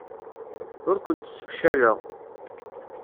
Ur kent-ssefcaleɣ.